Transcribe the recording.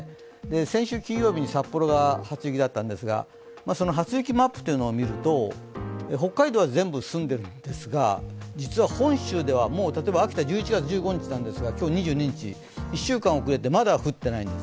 先週金曜日に札幌が初雪だったんですがその初雪マップを見ると北海道は全部済んでるんですが実は本州では、例えば秋田は１１月１５日ですが、今日、２２日、１週間遅れたまだ降っていないんです。